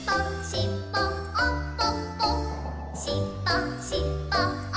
「しっぽっぽ」